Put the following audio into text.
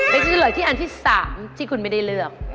เป็นจะเฉลยที่อันที่๓ที่คุณไม่ได้เลือก